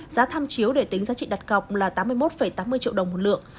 giá tham chiếu để tính giá trị đặt cọc là tám mươi một tám mươi triệu đồng một lượng